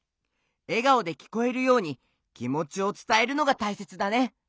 えがおできこえるようにきもちをつたえるのがたいせつだね。